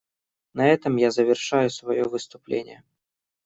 На этом я завершаю свое выступление.